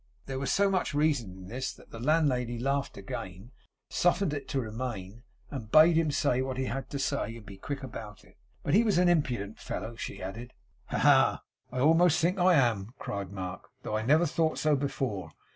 There was so much reason in this that the landlady laughed again, suffered it to remain, and bade him say what he had to say, and be quick about it. But he was an impudent fellow, she added. 'Ha ha! I almost think I am!' cried Mark, 'though I never thought so before.